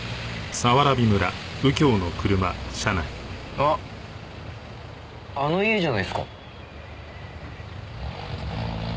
あっあの家じゃないですか？